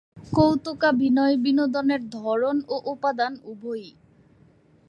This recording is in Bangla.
কৌতুকাভিনয় বিনোদনের ধরন ও উপাদান উভয়ই।